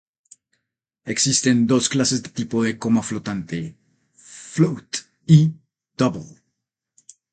Existen dos clases de tipos de coma flotante: float y double.